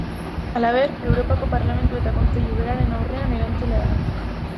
Halaber, Europako Parlamentu eta Kontseilu beraren aurrean erantzule da.